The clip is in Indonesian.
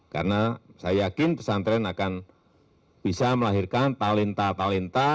karena saya yakin pesantren akan bisa melahirkan talenta talenta